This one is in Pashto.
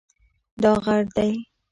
دا غر دی